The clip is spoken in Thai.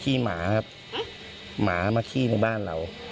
หมาครับหมามาขี้ในบ้านเรา